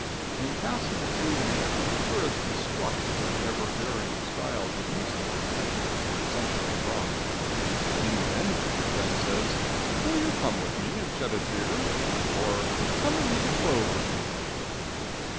In passing through Maine the tourist is struck with the ever varying styles of mystery connected with the consumption of rum. In Denver your friend says: "Will you come with me and shed a tear?" or "Come and eat a clove with me."